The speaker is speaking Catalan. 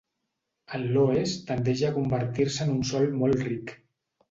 El loess tendeix a convertir-se en un sòl molt ric.